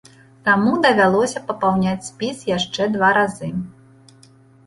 Таму давялося папаўняць спіс яшчэ два разы.